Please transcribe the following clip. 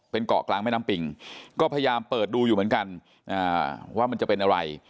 เป็นเกาะกลางแม่น้ำปิงก็พยายามเปิดดูอยู่เหมือนกันว่ามันจะเป็นอะไร